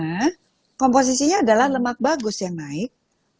karena komposisinya adalah lemak bagus yang naik